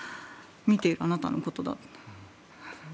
見ているあなたのことだと。